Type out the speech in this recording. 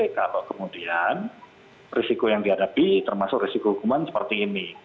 kalau kemudian risiko yang dihadapi termasuk risiko hukuman seperti ini